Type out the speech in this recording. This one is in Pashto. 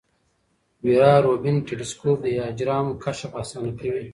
ویرا روبین ټیلسکوپ د اجرامو کشف اسانه کوي.